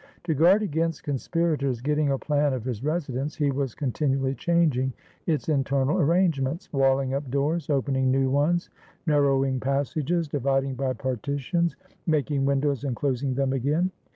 To guard against conspirators getting a plan of his residence, he was con tinually changing its internal arrangements, walling up doors, opening new ones, narrowing passages, divid ing by partitions, making windows and closing them again.